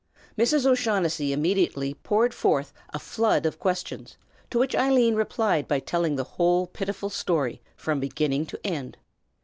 Mrs. O'Shaughnessy immediately poured forth a flood of questions, to which Eileen replied by telling the whole pitiful story from beginning to end.